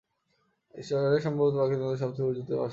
এরাই সম্ভবত পাখিদের মধ্যে সব থেকে উচুতে বাসা বাঁধা পাখি।